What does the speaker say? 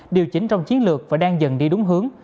điều chỉnh trong chiến lược và đang dần đi đúng hướng